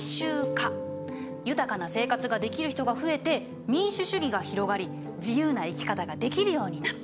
豊かな生活ができる人が増えて民主主義が広がり自由な生き方ができるようになった。